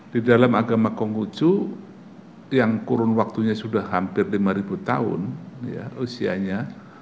di dalam agama konghucu yang kurun waktunya sudah hampir lima tahun usianya